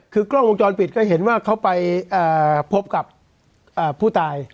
คือกล้องวงจรปิดก็เห็นว่าเขาไปพบกับผู้ตาย